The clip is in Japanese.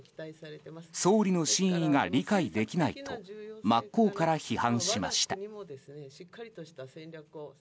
総理の真意が理解できないと真っ向から批判しました。